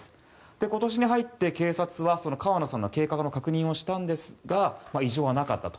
今年に入って警察は川野さんの経過の確認をしたんですが異常はなかったと。